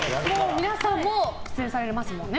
皆さんも出演されますもんね